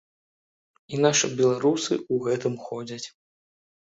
І нашы беларусы у гэтым ходзяць.